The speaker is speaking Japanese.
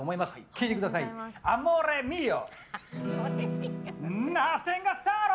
聞いてください「アモーレミーオ」。